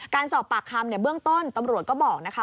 การสอบปากคำเนี่ยเบื้องต้นตำรวจก็บอกนะคะ